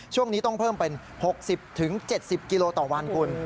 ช่วงนี้ต้องเพิ่มเป็น๖๐๗๐กิโลต่อวันคุณ